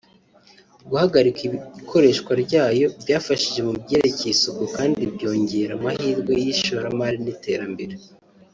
Guharika ikoreshwa ryayo byafashije mu byerekeye isuku kandi byongera amahirwe y’ishoramari n’iterambere